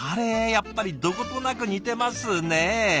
やっぱりどことなく似てますね。